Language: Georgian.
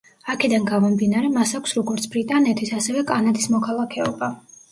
აქედან გამომდინარე, მას აქვს როგორც ბრიტანეთის, ასევე კანადის მოქალაქეობა.